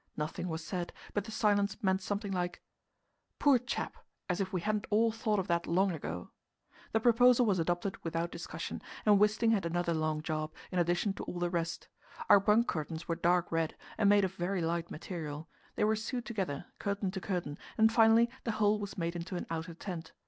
Nothing was said, but the silence meant something like: "Poor chap! as if we hadn't all thought of that long ago!" The proposal was adopted without discussion, and Wisting had another long job, in addition to all the rest. Our bunk curtains were dark red, and made of very light material; they were sewed together, curtain to curtain, and finally the whole was made into an outer tent.